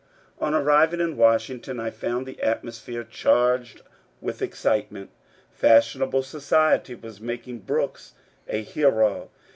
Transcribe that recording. On arriving in Washington I found the atmosphere charged with excitement. Fashionable society was making Brooks a hero.